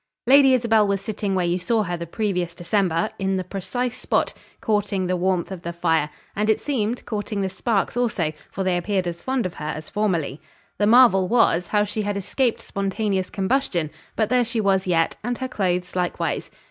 Lady Isabel was sitting where you saw her the previous December in the precise spot courting the warmth of the fire, and it seemed, courting the sparks also, for they appeared as fond of her as formerly. The marvel was, how she had escaped spontaneous combustion; but there she was yet, and her clothes likewise.